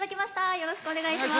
よろしくお願いします！